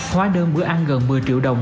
hóa đơn bữa ăn gần một mươi triệu đồng